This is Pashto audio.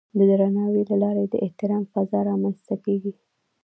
د درناوي له لارې د احترام فضا رامنځته کېږي.